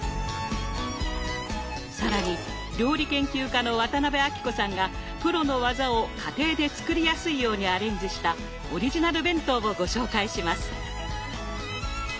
更に料理研究家の渡辺あきこさんがプロの技を家庭で作りやすいようにアレンジしたオリジナル弁当をご紹介します。